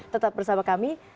tetap bersama kami